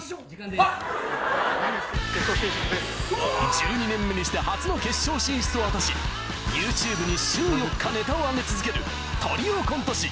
１２年目にして初の決勝進出を果たしＹｏｕＴｕｂｅに週４日ネタを上げ続けるトリオコント師